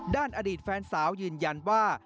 อดีตแฟนสาวยืนยันว่า